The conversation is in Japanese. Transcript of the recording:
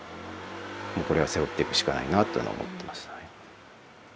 これは背負っていくしかないなっていうのは思っています。